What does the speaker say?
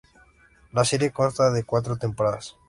La serie consta de cuatro temporadas.